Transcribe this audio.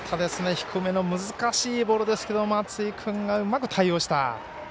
低めの難しいボールですけど松井君がうまく対応した。